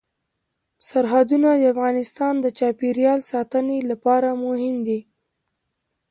سرحدونه د افغانستان د چاپیریال ساتنې لپاره مهم دي.